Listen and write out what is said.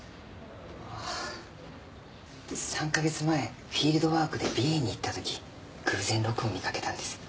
あぁ３か月前フィールドワークで美瑛に行ったとき偶然ロクを見かけたんです。